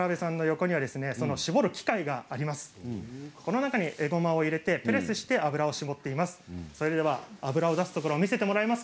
コロナ禍にえごまを入れてプレスして油を搾っています。